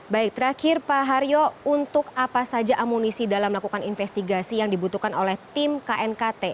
baik terakhir pak haryo untuk apa saja amunisi dalam melakukan investigasi yang dibutuhkan oleh tim knkt